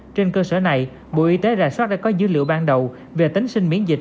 trên cơ sở này bộ y tế rà soát đã có dữ liệu ban đầu về tính sinh miễn dịch